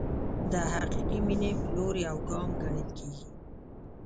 د حقیقي مینې په لور یو ګام ګڼل کېږي.